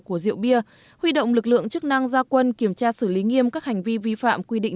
của rượu bia huy động lực lượng chức năng gia quân kiểm tra xử lý nghiêm các hành vi vi phạm quy định